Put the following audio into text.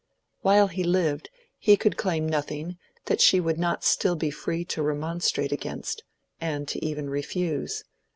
While he lived, he could claim nothing that she would not still be free to remonstrate against, and even to refuse.